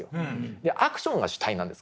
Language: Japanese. でアクションが主体なんです